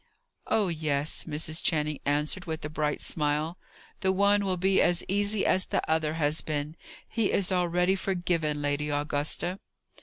"Oh yes," Mrs. Channing answered, with a bright smile. "The one will be as easy as the other has been. He is already forgiven, Lady Augusta."